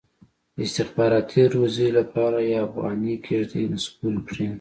د استخباراتي روزۍ لپاره یې افغاني کېږدۍ نسکورې کړي.